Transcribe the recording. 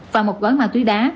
và một gói ma túy đá